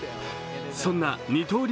そんな二刀流